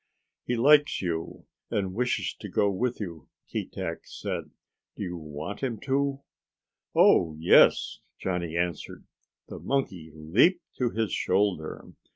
"He likes you and wishes to go with you," Keetack said. "Do you want him to?" "Oh, yes," Johnny answered. The monkey leaped to his shoulder.